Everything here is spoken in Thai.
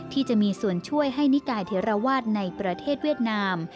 ที่จะมีส่วนช่วยให้นิกายเทราวาสในประเทศเวียดนาม